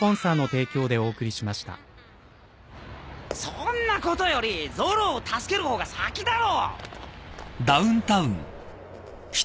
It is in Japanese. そんなことよりゾロを助ける方が先だろ！